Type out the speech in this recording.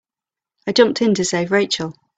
I jumped in to save Rachel.